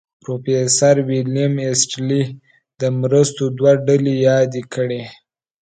پروفیسر ویلیم ایسټرلي د مرستو دوه ډلې یادې کړې.